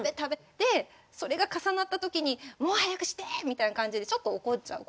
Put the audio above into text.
でそれが重なった時に「もう早くして！」みたいな感じでちょっと怒っちゃうことがあって。